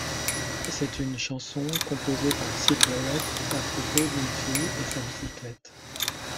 C'est une chanson composée par Syd Barrett à propos d'une fille et sa bicyclette.